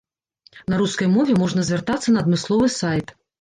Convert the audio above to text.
На рускай мове можна звяртацца на адмысловы сайт.